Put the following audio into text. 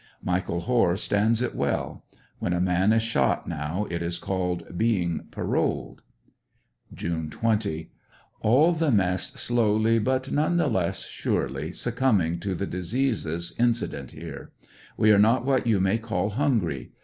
Michael Hoare stands it well. When a man is shot now it is called being ''parolled." June 20. — All the mess slowly but none the less surely succumb ing to the diseases incident here. We are not what you may call hungry.